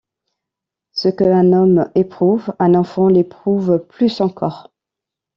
Ce qu’un homme éprouve, un enfant l’éprouve plus encore.